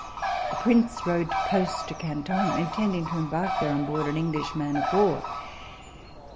The prince rode post to Canton, intending to embark there on board an English man of war.